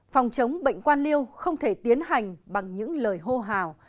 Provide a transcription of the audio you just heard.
phòng chống bệnh quan liêu không thể tiến hành bằng những lời hô hào